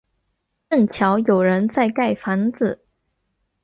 正巧有人在盖房子